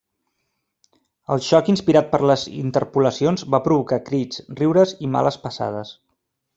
El xoc inspirat per les interpolacions va provocar crits, riures i males passades.